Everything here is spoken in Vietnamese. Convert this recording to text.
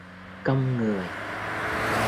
Cong người